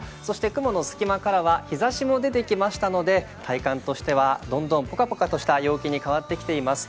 雲のすき間からは日ざしも出てきましたので体感としてはどんどんポカポカとした陽気に変わってきています。